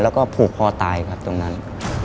แล้วก็ผูกคอตายครับตรงนั้น